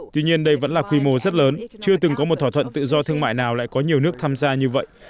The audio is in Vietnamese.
tuy nhiên đây vẫn là quy mô rất lớn chưa từng có một thỏa thuận tự do thương mại nào lại có nhiều nước tham gia như vậy